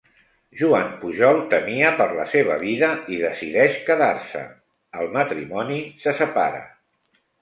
Joan Pujol temia per la seva vida i decideix quedar-se; el matrimoni se separa.